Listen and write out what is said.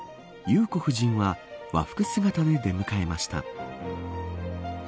裕子夫人は和服姿で出迎えました。